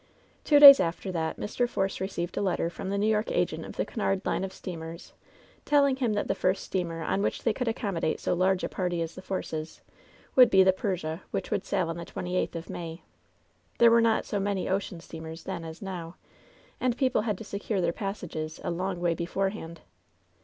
Two days after that Mr. Force received a letter from the New York a^nt of the Cunard line of steamers, tell ing him that the first steamer on which they could ac commodate 80 large a party as the Forces' would be the Persia, which would sail on the twenty eighth of May. There were not so many ocean steamers then as now, and people had to secure their passages a long way be forehand.